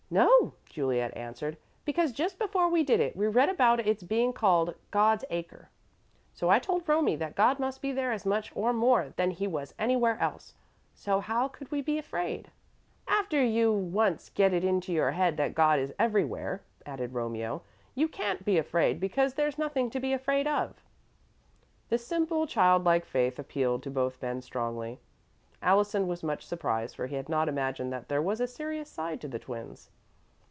"No," Juliet answered, "because just before we did it, we read about it's being called 'God's Acre.' So I told Romie that God must be there as much or more than He was anywhere else, so how could we be afraid?" "After you once get it into your head that God is everywhere," added Romeo, "you can't be afraid because there's nothing to be afraid of." The simple, child like faith appealed to both men strongly. Allison was much surprised, for he had not imagined that there was a serious side to the twins.